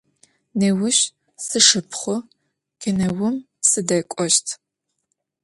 Nêuş sşşıpxhu kineum sıdek'oşt.